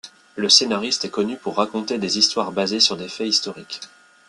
Le scénariste est connu pour raconter des histoires basés sur des faits historiques.